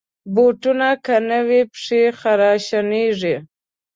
بوټونه که نه وي، پښې خراشانېږي.